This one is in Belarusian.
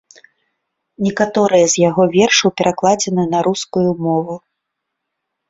Некаторыя з яго вершаў перакладзены на рускую мову.